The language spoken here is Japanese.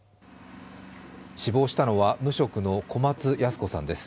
死亡したのは無職の小松ヤス子さんです。